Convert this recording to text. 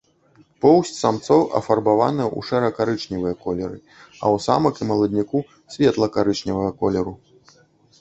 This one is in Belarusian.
Поўсць самцоў афарбаваная ў шэра-карычневыя колеры, а ў самак і маладняку светла-карычневага колеру.